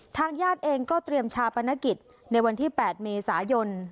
ทางญาติเองก็เตรียมชาปนกิจในวันที่๘เมษายน